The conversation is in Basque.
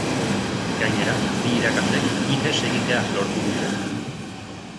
Gainera, bi irakaslek ihes egitea lortu dute.